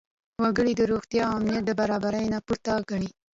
وګړي روغتیا او امنیت د برابرۍ نه پورته ګڼي.